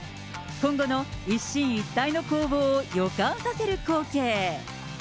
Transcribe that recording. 今後の一進一退の攻防を予感させる光景。